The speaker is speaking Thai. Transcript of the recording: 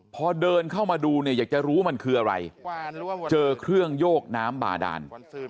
พอเดินเข้ามาดูเนี่ยอยากจะรู้มันคืออะไรเจอเครื่องโยกน้ำบาดาน